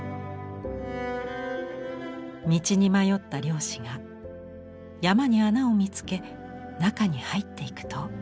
道に迷った漁師が山に穴を見つけ中に入っていくと。